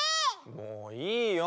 もういいよ。